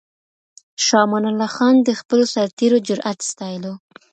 شاه امان الله خان د خپلو سرتېرو جرئت ستایلو.